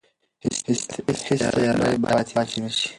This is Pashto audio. هیڅ تیاره باید پاتې نه شي.